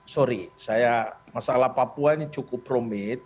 sorry saya masalah papua ini cukup rumit